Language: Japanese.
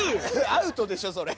アウトでしょそれ。